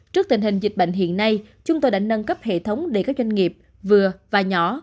trước tình hình dịch bệnh hiện nay chúng tôi đã nâng cấp hệ thống để các doanh nghiệp vừa và nhỏ